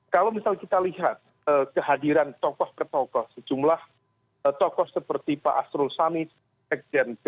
kalau misal kita lihat kehadiran tokoh ke tokoh sejumlah tokoh seperti pak asrul samit sekjen p tiga